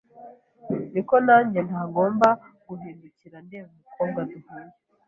niko nange ntagomba guhindukira ndeba umukobwa duhuye